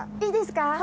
いいですか？